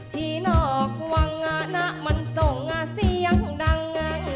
ที่นอกวังงะนะมันส่งเสียงดังไง